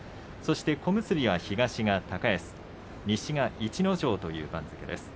小結は、東が高安西が逸ノ城という番付です。